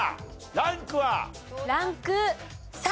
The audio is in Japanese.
ランク３。